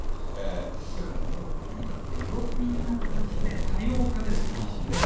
だからもう、とにかくいろんな形で多様化ですよね。